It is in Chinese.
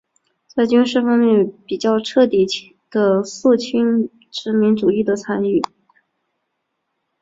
在军事方面比较彻底地肃清殖民主义的残余。